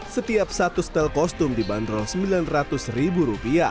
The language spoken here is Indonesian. setiap satu setel kostum dibanderol rp sembilan ratus